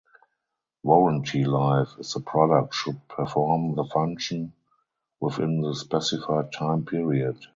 Warranty life is the product should perform the function within the specified time period.